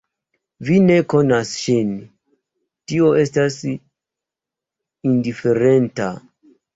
Vi ne konas ŝin, tio estas indiferenta!